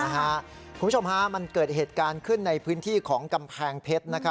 คุณผู้ชมฮะมันเกิดเหตุการณ์ขึ้นในพื้นที่ของกำแพงเพชร